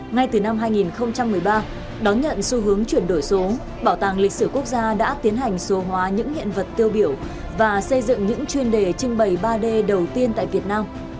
ngay từ năm hai nghìn một mươi ba đón nhận xu hướng chuyển đổi số bảo tàng lịch sử quốc gia đã tiến hành số hóa những hiện vật tiêu biểu và xây dựng những chuyên đề trưng bày ba d đầu tiên tại việt nam